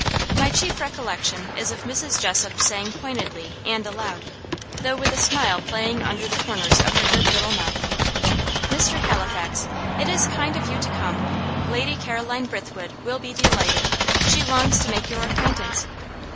My chief recollection is of Mrs. Jessop's saying pointedly and aloud, though with a smile playing under the corners of her good little mouth: "Mr. Halifax, it is kind of you to come; Lady Caroline Brithwood will be delighted. She longs to make your acquaintance."